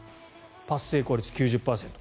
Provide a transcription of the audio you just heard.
パス成功率、９０％